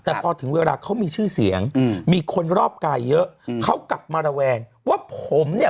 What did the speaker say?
แต่พอถึงเวลาเขามีชื่อเสียงอืมมีคนรอบกายเยอะเขากลับมาระแวงว่าผมเนี่ย